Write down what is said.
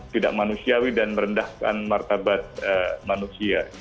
tidak manusiawi dan merendahkan martabat manusia